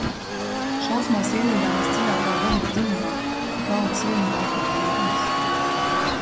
Šausmās ielīdām visdziļākā bedres dziļumā, ka galvas vien laukā no ūdens.